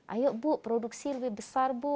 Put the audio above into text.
ayo bu produksi lebih besar ayo pasti bu bisa